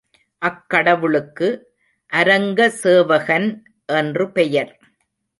அக்கடவுளுக்கு அரங்க சேவகன் என்று பெயர்.